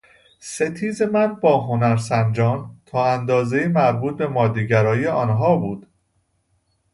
ستیز من با هنرسنجان تا اندازهای مربوط به مادهگرایی آنها بود.